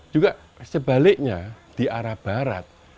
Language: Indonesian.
juga sebaliknya di arah barat